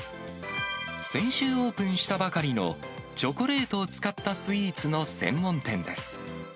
先週オープンしたばかりのチョコレートを使ったスイーツの専門店です。